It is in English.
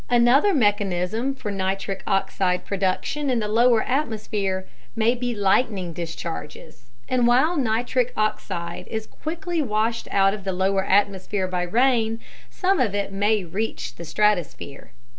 Another mechanism for NO production in the lower atmosphere may be lightning discharges, and while NO is quickly washed out of the lower atmosphere by rain, some of it may reach the stratosphere.